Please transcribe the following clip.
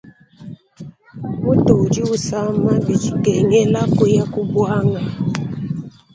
Mutu udi usama bikengela kuya ku buanga.